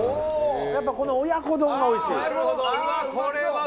「やっぱこの親子丼がおいしい」「親子丼。